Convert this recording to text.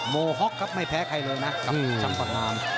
โมห็อกครับไม่แพ้ใครเลยนะครับจังหวัดน้ำ